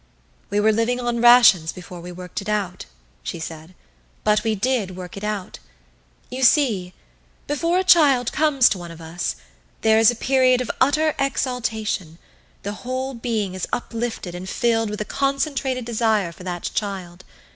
"We were living on rations before we worked it out," she said. "But we did work it out. You see, before a child comes to one of us there is a period of utter exaltation the whole being is uplifted and filled with a concentrated desire for that child.